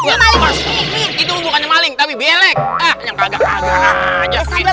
itu bukan maling tapi belek